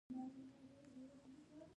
باسواده ښځې د کورنۍ بودیجه ښه مدیریت کوي.